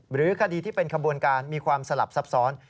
หรือคดีที่เป็นขบวนการมีความสลับซับซ้อน